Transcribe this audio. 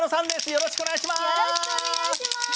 よろしくお願いします！